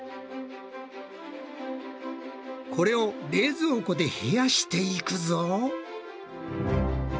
これを冷蔵庫で冷やしていくぞ。